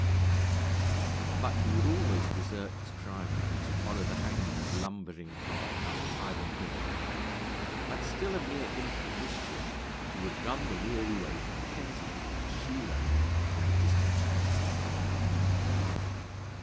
But he would always desert his primer to follow the hangman's lumbering cart up Tyburn Hill, and, still a mere imp of mischief, he would run the weary way from Kensington to Shoe Lane on the distant chance of a cock fight.